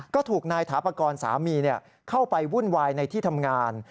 ก็ถูกนายถาปากรสามีเข้าไปวุ่นวายในที่ทำงาน